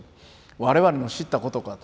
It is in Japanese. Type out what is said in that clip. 我々の知ったことかと。